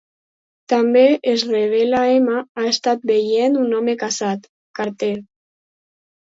També es revela Emma ha estat veient un home casat, Carter.